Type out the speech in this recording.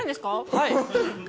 はい。